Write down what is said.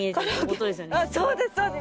そうですそうです。